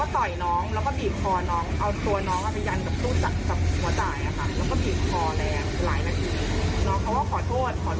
เอาตัวน้องอ่ะไปยันกับตู้จัดกับหัวใจอ่ะค่ะ